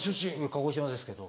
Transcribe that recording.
鹿児島ですけど。